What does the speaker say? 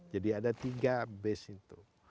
jadi ada tiga base itu